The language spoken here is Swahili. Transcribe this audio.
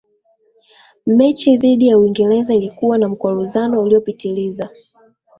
Mechi dhidi ya Uingereza ilikuwa na mkwaruzano uliopitiliza